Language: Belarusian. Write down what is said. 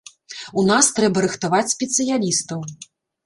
У нас трэба рыхтаваць спецыялістаў.